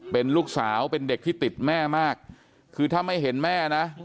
เป็นลูกสาวเป็นเด็กที่ติดแม่มากคือถ้าไม่เห็นแม่นะ